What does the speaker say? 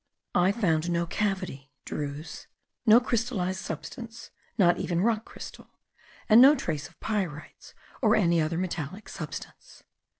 I found no cavity (druse), no crystallized substance, not even rock crystal; and no trace of pyrites, or any other metallic substance.